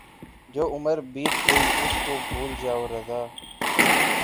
جو عُمر بیت گئی اُس کو بھُول جاؤں رضاؔ